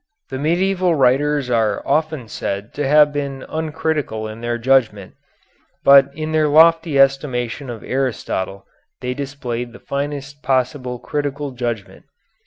The medieval writers are often said to have been uncritical in their judgment, but in their lofty estimation of Aristotle they displayed the finest possible critical judgment.